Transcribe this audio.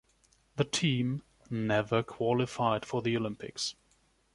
The team never qualified for the Olympics.